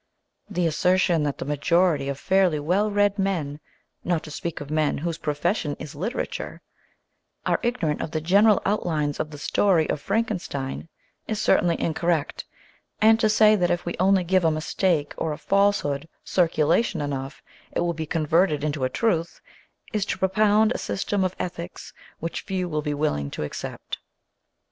The assertion that the majority of fairly well read men, not to speak of men whose profession is literature, are ignorant of the general outlines of the story of Frankenstein is certainly incorrect, and to say that if we only give a mistake or a falsehood circulation enough it will be converted into a truth is to propound a system of ethics which few will be willing to accept.